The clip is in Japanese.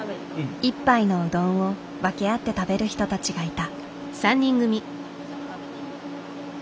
一杯のうどんを分け合って食べる人たちがいた。